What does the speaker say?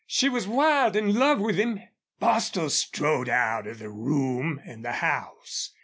She was wild in love with him!" Bostil strode out of the room and the house.